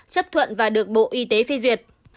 chấp thuận và được bộ y tế phê duyệt